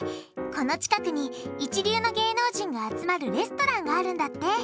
この近くに一流の芸能人が集まるレストランがあるんだって。